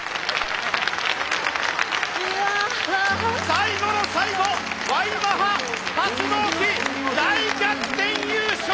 最後の最後Ｙマハ発動機大逆転優勝！